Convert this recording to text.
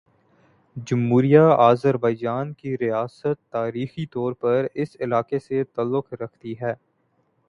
جمہوریہ آذربائیجان کی ریاست تاریخی طور پر اس علاقے سے تعلق رکھتی ہے